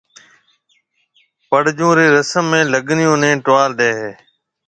پڙجون رِي رسم ۾ لگنيون نيَ ٽوال ڏَي ھيََََ